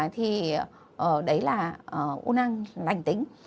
thì đấy là u nang lành tính